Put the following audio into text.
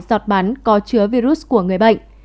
giọt bắn có chứa virus của người bệnh